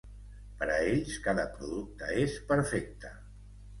Per a ells, cada producte és perfecte.